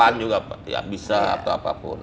ya komputasi awan juga bisa atau apapun